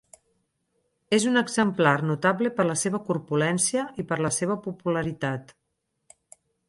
És un exemplar notable per la seva corpulència i per la seva popularitat.